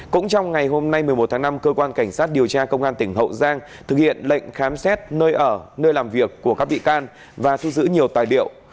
cũng trong ngày hôm nay một mươi một tháng năm cơ quan cảnh sát điều tra công an tỉnh hậu giang thực hiện lệnh khám xét nơi ở nơi làm việc của các bị can và thu giữ nhiều tài liệu